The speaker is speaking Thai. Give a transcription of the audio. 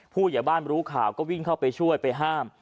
ผู้ใหญ่บ้านรู้ข่าวก็วิ่งเข้าไปช่วยไปห้าม